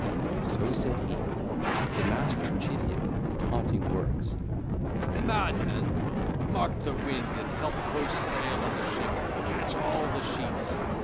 (ll. 25 31) So said he: but the master chid him with taunting words: 'Madman, mark the wind and help hoist sail on the ship: catch all the sheets.